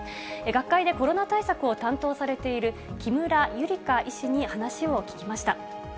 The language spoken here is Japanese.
学会でコロナ対策を担当されている木村百合香医師に話を聞きました。